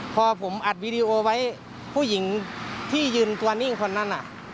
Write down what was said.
พอผมอัดวีดีโอไว้ผู้หญิงที่ยืนตัวนิ่งคนนั้น